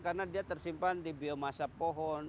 karena dia tersimpan di biomasa pohon